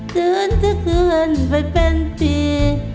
เนื่องทั่วเคือนไปเป็นปี